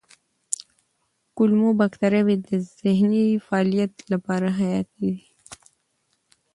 کولمو بکتریاوې د ذهني فعالیت لپاره حیاتي دي.